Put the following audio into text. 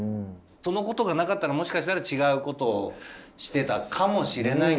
そのことがなかったらもしかしたら違うことをしてたかもしれないんだけど。